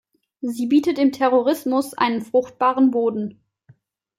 Sie bietet dem Terrorismus einen fruchtbaren Boden.